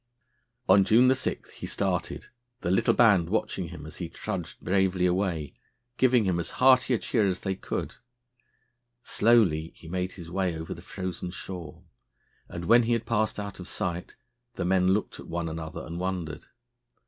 On June 7 he started, the little band watching him as he trudged bravely away, giving him as hearty a cheer as they could. Slowly he made his way over the frozen shore, and, when he had passed out of sight, the men looked at one another and wondered.